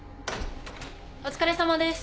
・お疲れさまです。